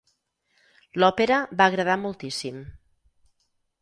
L'òpera va agradar moltíssim.